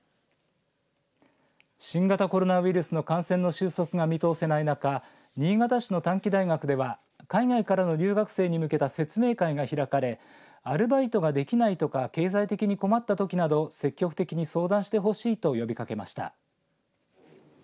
新型コロナウイルスの感染の収束が見通せない中新潟市の短期大学では海外からの留学生に向けた説明会が開かれアルバイトができないとか経済的に困ったときなど積極的に相談してほしいと呼びかけました。